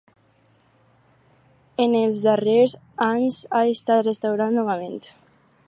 En els darrers anys ha estat restaurat novament.